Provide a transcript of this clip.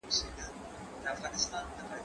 زه به سبا پوښتنه وکړم!؟